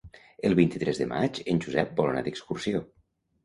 El vint-i-tres de maig en Josep vol anar d'excursió.